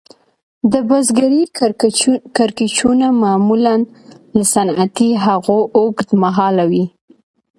د بزګرۍ کړکېچونه معمولاً له صنعتي هغو اوږد مهاله وي